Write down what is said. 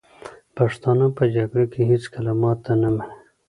پښتانه په جګړه کې هېڅکله ماته نه مني.